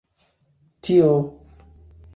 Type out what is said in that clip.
tio